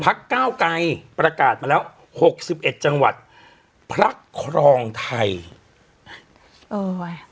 ก้าวไกรประกาศมาแล้วหกสิบเอ็ดจังหวัดพักครองไทยเออไว้